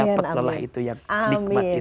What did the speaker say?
dapet lelah itu yang nikmat